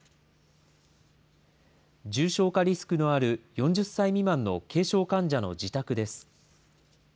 重症化リスクのある４０歳未満の軽症患者の自宅です。